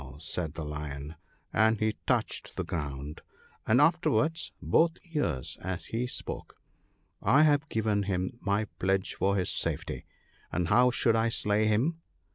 said the Lion, and he touched the ground, and afterwards both ears, as he spoke, " I have given him my pledge for his safety, and how should I slay him